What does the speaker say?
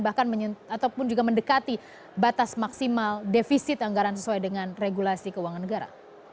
ataupun juga mendekati batas maksimal defisit anggaran sesuai dengan regulasi keuangan negara